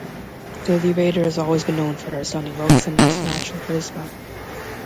Lily Rader has always been known for her stunning looks and natural charisma.